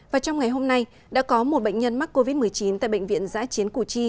và trong ngày hôm nay đã có một bệnh nhân mắc covid một mươi chín tại bệnh viện giã chiến củ chi